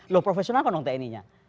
loh profesional kan dong tni nya